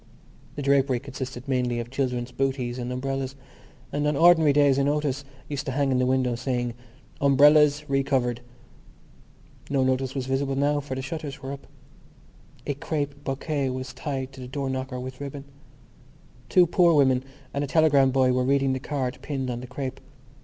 The drapery consisted mainly of children's bootees and umbrellas; and on ordinary days a notice used to hang in the window, saying: Umbrellas Re covered. No notice was visible now for the shutters were up. A crape bouquet was tied to the door knocker with ribbon. Two poor women and a telegram boy were reading the card pinned on the crape.